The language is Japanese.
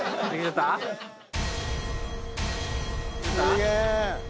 すげえ！